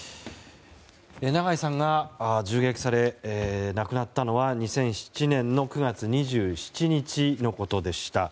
長井さんが銃撃され亡くなったのは２００７年の９月２７日のことでした。